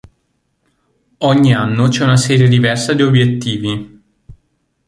Ogni anno c'è una serie diversa di obiettivi.